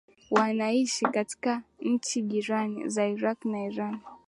wanaishi katika nchi jirani za Iraq na Irani